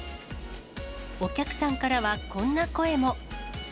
お客さんからはこんな声も。